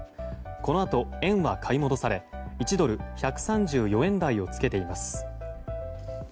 このあと円は買い戻され１ドル＝１３４円台を付けています。